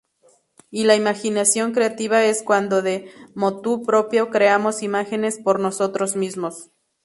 Y la imaginación creativa es cuando de motu propio creamos imágenes por nosotros mismos.